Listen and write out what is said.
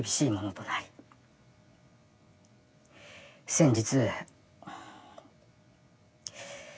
先日。